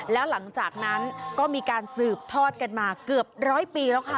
แล้วหลังจากนั้นก็มีการสืบทอดกันมาเกือบร้อยปีแล้วค่ะ